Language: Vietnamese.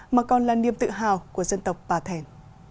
mà còn là niềm tự hào của dân tộc bà thẻn